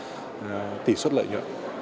đó là tỉ suất lợi nhuận